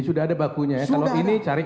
sudah ada bakunya ya kalau ini cari